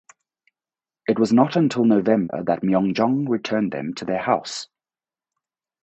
It was not until November that Myeongjong returned them to their house.